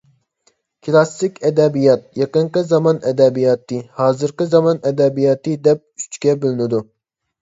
كلاسسىك ئەدەبىيات، يېقىنقى زامان ئەدەبىياتى، ھازىرقى زامان ئەدەبىياتى دەپ ئۆچكە بۆلۈنىدۇ.